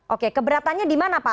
oke keberatannya di mana pak